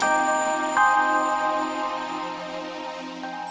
sini masih ada